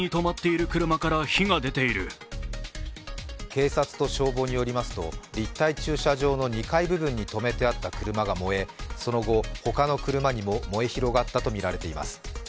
警察と消防によりますと立体駐車場の２階部分に止めてあった車が燃えその後、他の車にも燃え広がったとみられています。